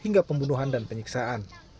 hingga pembunuhan dan penyiksaan